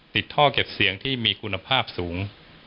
ติดท่อเก็บเสียงที่มีคุณภาพสูง